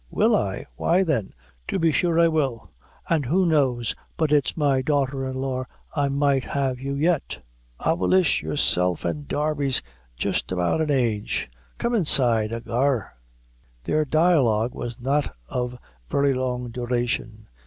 "Will I? Why, then, to be sure I will; an' who knows but it's my daughter in law I might have you yet, avillish! Yourself and Darby's jist about an age. Come inside, ahagur." Their dialogue was not of very long duration.